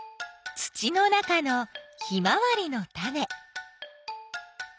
土の中のヒマワリのタネ。